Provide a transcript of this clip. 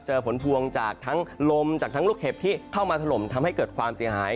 ผลพวงจากทั้งลมจากทั้งลูกเห็บที่เข้ามาถล่มทำให้เกิดความเสียหาย